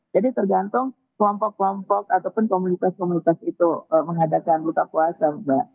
jadi tergantung kelompok kelompok ataupun komunitas komunitas itu mengadakan buka puasa